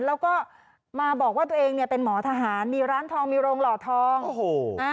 แล้วก็มาบอกว่าตัวเองเนี่ยเป็นหมอทหารมีร้านทองมีโรงหล่อทองโอ้โห